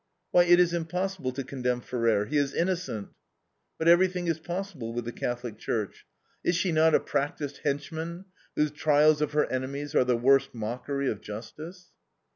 "Why, it is impossible to condemn Ferrer; he is innocent." But everything is possible with the Catholic Church. Is she not a practiced henchman, whose trials of her enemies are the worst mockery of justice?